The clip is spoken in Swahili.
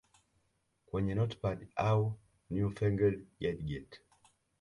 kwenye notepads au newfangled gadget